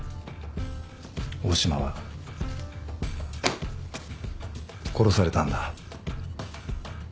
大島は殺されたんだ。